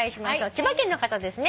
千葉県の方ですね。